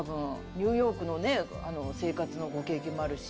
ニューヨークの生活のご経験もあるし。